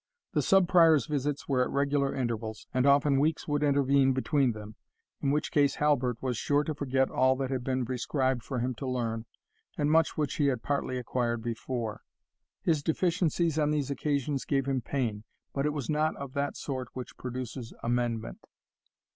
The Sub Prior's visits were at regular intervals, and often weeks would intervene between them, in which case Halbert was sure to forget all that had been prescribed for him to learn, and much which he had partly acquired before. His deficiencies on these occasions gave him pain, but it was not of that sort which produces amendment.